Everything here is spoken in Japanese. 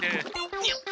いよっ！